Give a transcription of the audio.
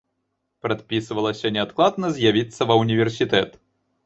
Прадпісвалася неадкладна з'явіцца ва ўніверсітэт.